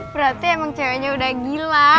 berarti emang ceweknya udah gila